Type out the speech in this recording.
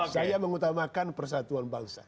saya mengutamakan persatuan bangsa